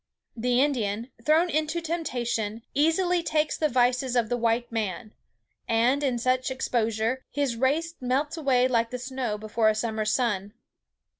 The Indian, thrown into temptation, easily takes the vices of the white man; and, in such exposure, his race melts away like the snow before a summer's sun.